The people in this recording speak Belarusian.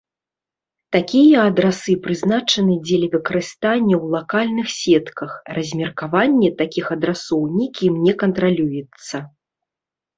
Такія адрасы прызначаны дзеля выкарыстання ў лакальных сетках, размеркаванне такіх адрасоў нікім не кантралюецца.